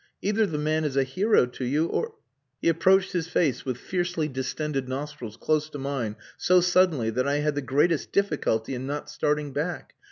Either the man is a hero to you, or..." He approached his face with fiercely distended nostrils close to mine so suddenly that I had the greatest difficulty in not starting back.